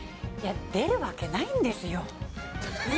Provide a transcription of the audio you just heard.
出るわけないんですよ。